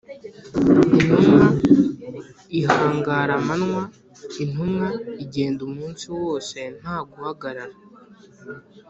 Intumwa ihangara amanywa: Intumwa igenda umunsi wose nta guhagarara.